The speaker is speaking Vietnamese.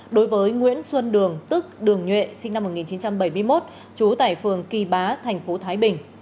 đối với nguyễn xuân đường tức đường nhuệ sinh năm một nghìn chín trăm bảy mươi một chú tải phường kỳ bá tp thái bình